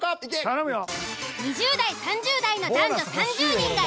頼むよ。